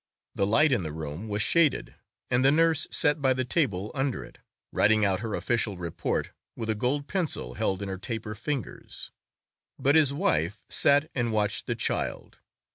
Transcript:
The light in the room was shaded, and the nurse sat by the table under it, writing out her official report with a gold pencil held in her taper fingers; but his wife sat and watched the child.